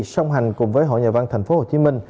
song hành cùng với hội nhà văn tp hcm